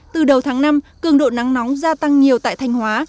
từ đầu tháng năm cường độ nắng nóng gia tăng nhiều tại thanh hóa